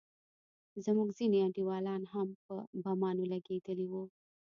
زموږ ځينې انډيولان هم په بمانو لگېدلي وو.